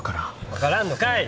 分からんのかい！